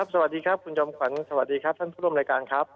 สวัสดีครับคุณจอมขวัญสวัสดีครับท่านผู้ร่วมรายการครับ